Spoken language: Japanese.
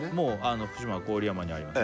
福島郡山にあります